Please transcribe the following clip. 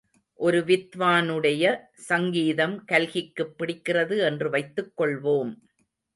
ஒரு வித்வானுடைய சங்கீதம் கல்கிக்குப் பிடிக்கிறது என்று வைத்துக் கொள்வோம்.